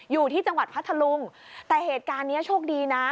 อยู่ที่จังหวัดพัทธลุงแต่เหตุการณ์นี้โชคดีนะ